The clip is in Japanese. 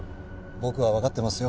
僕はわかってますよ